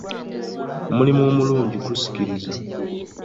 Omulimu omulungi gusikiriza.